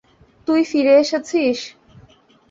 তুই ফিরে এসেছিস!